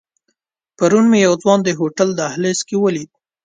پرون مې یو ځوان د هوټل دهلیز کې ولید.